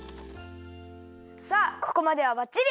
さあここまではバッチリ！